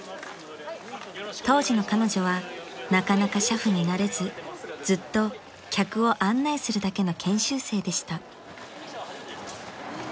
［当時の彼女はなかなか俥夫になれずずっと客を案内するだけの研修生でした］